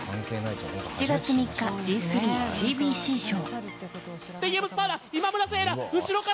７月３日Ｇ３、ＣＢＣ賞。